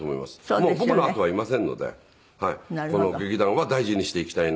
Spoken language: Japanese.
もう僕のあとはいませんのでこの劇団は大事にしていきたいな。